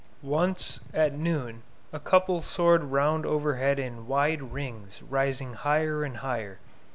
Once, at noon, a couple soared round overhead in wide rings, rising higher and higher.